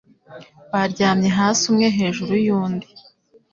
Baryamye hasi umwe hejuru yundi